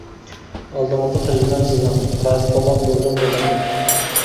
ئالدىڭىزدا خىجىلمەن سىزنىڭ، رازى قىلماق بولدۇم دادامنى.